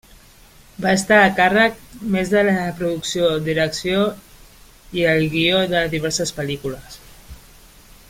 Va estar a càrrec més de la producció, direcció i el guió de diverses pel·lícules.